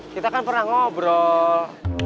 kita kan pernah ngobrol